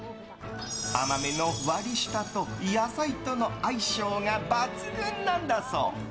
甘めの割り下と野菜との相性が抜群なんだそう。